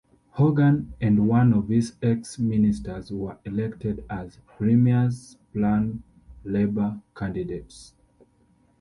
Hogan and one of his ex-ministers were elected as "Premiers' Plan Labor" candidates.